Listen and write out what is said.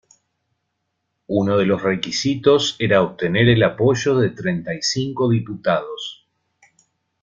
Uno de los requisitos era obtener el apoyo de treinta y cinco diputados.